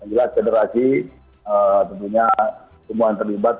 jelas federasi tentunya semua yang terlibat